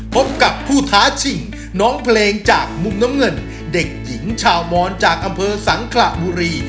พบกับผู้ท้าชิงน้องเพลงจากมุมน้ำเงินเด็กหญิงชาวมอนจากอำเภอสังขระบุรี